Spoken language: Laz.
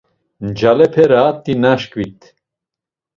Ncalepe raat̆i naşkit.